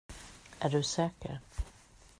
Är du säker?